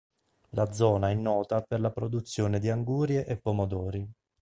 La zona è nota per la produzione di angurie e pomodori.